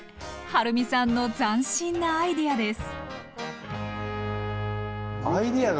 はるみさんの斬新なアイデアです。